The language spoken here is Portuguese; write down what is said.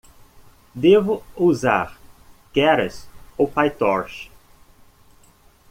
Devo usar Keras ou Pytorch?